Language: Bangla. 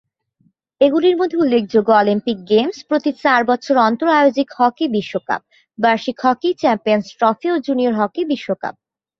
এগুলির মধ্যে উল্লেখযোগ্য অলিম্পিক গেমস, প্রতি চার বছর অন্তর আয়োজিত হকি বিশ্বকাপ, বার্ষিক হকি চ্যাম্পিয়নস ট্রফি ও জুনিয়র হকি বিশ্বকাপ।